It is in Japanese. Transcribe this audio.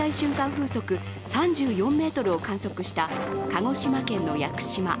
風速３４メートルを観測した鹿児島県の屋久島。